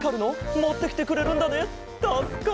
もってきてくれるんだねたすかる。